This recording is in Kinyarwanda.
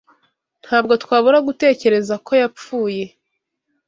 Ntabwo twabura gutekereza ko yapfuye.